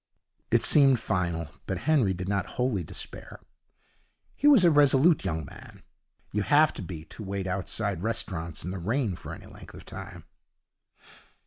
It seemed final, but Henry did not wholly despair. He was a resolute young man. You have to be to wait outside restaurants in the rain for any length of time.